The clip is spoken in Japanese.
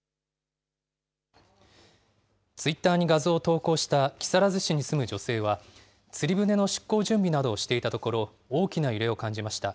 ツイッターに画像を投稿した木更津市に住む女性は、釣り船の出港準備などをしていたところ、大きな揺れを感じました。